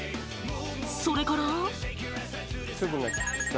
それから。